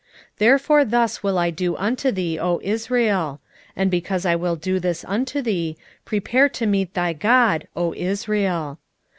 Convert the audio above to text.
4:12 Therefore thus will I do unto thee, O Israel: and because I will do this unto thee, prepare to meet thy God, O Israel.